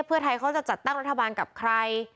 เพื่อไทยเขาจะจัดตั้งรัฐบาลกับใคร